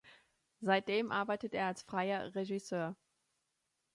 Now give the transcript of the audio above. Seitdem arbeitet er als freier Regisseur.